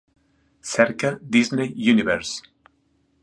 Cerca Disney Universe.